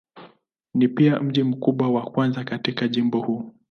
Ni pia mji mkubwa wa kwanza katika jimbo huu.